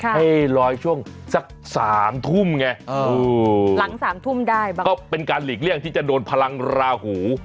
ให้ลอยช่วงสัก๓ทุ่มไงหลัง๓ทุ่มได้บ้างก็เป็นการหลีกเลี่ยงที่จะโดนพลังราหู